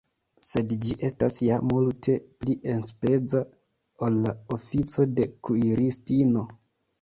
Sed ĝi estas ja multe pli enspeza, ol la ofico de kuiristino.